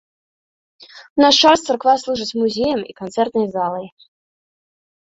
У наш час царква служыць музеем і канцэртнай залай.